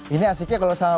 ini asiknya kalau sama